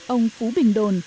ông phú bình đồn